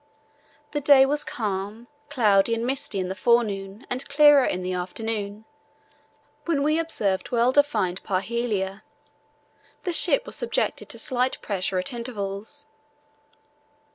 The day was calm, cloudy and misty in the forenoon and clearer in the afternoon, when we observed well defined parhelia. The ship was subjected to slight pressure at intervals.